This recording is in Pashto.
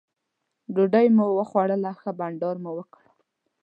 ډوډۍ مو وخوړل ښه بانډار مو وکړ.